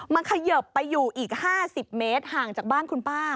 มันเขยิบไปอยู่อีก๕๐เมตรห่างจากบ้านคุณป้า